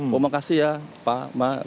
terima kasih ya pak